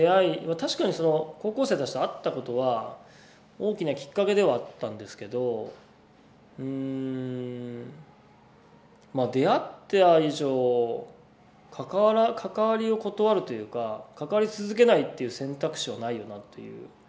確かにその高校生たちと会ったことは大きなきっかけではあったんですけどうんまあ出会った以上関わりを断るというか関わり続けないっていう選択肢はないよなという。